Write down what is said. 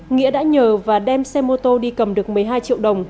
nghĩa đã nhờ và đem xe mô tô đi cầm được một mươi hai triệu đồng